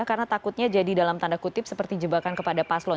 karena takutnya jadi dalam tanda kutip seperti jebakan kepada paslon